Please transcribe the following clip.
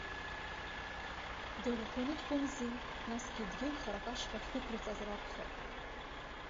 Дыӷәӷәаны дхәымзи, насгьы дгьыл харак ашҟа ддәықәырҵазар акәхап.